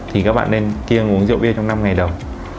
thì các bạn nên kia uống rượu bia trong năm ngày đầu